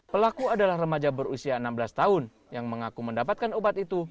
pelaku adalah remaja berusia enam belas tahun yang mengaku mendapatkan obat itu